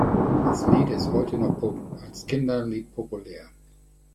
Das Lied ist heute noch als Kinderlied populär.